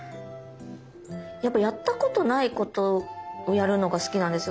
やっぱやったことないことをやるのが好きなんですよ